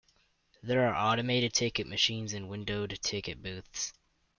There are automated ticket machines and windowed ticket booths.